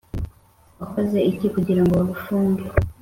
wakoze iki kugirango bagufunge?